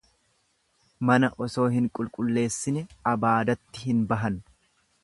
Mana osoo hin qulqulleessine abaadatti hin bahan.